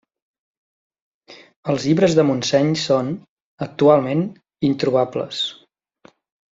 Els llibres de Montseny són, actualment, introbables.